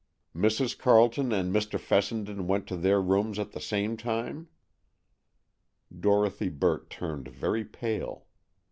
"Mrs. Carleton and Mr. Fessenden went to their rooms at the same time?" Dorothy Burt turned very pale.